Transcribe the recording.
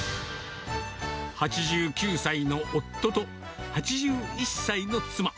８９歳の夫と、８１歳の妻。